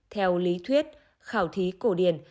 theo lý thuyết khảo thí cổ điển